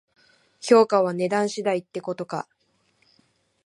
評価は値段次第ってことか